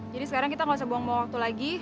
jadi sekarang kita gak usah buang buang waktu lagi